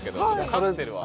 カクテルは。